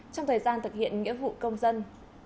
trong thời gian thực hiện nghĩa vụ công dân